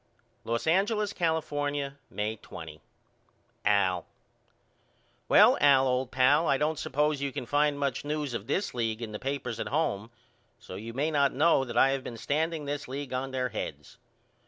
Los Angeles, California, May 20. AL: Well old pal I don't suppose you can find much news of this league in the papers at home so you may not know that I have been standing this league on their heads.